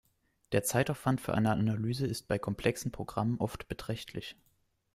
Der Zeitaufwand für eine Analyse ist bei komplexen Programmen oft beträchtlich.